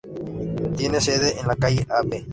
Tiene sede en calle Av.